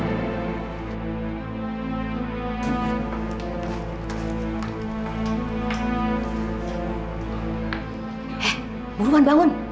eh buruan bangun